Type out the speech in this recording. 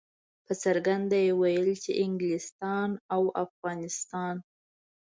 په څرګنده یې ویل چې انګلستان او افغانستان.